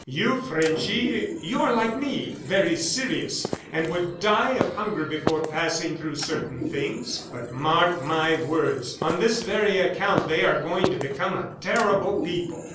You, Frenchy, you are like me, very serious, and would die of hunger before passing through certain things. But, mark my words, on this very account they are going to become a terrible people!"